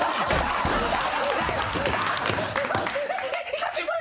久しぶり。